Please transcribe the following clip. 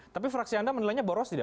tapi fraksi anda menilainya boros tidak